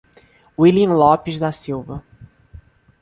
Willian Lopes da Silva